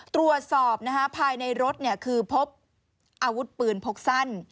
ตรวจสอบภายในรถคือพบอาวุธปืนพกสั้น